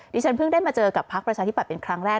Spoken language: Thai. ที่ฉันเพิ่งได้มาเจอกับพักประชาธิบัตย์เป็นครั้งแรก